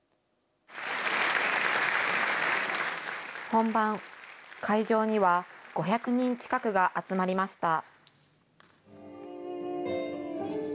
本番、会場には５００人近くが集まりました。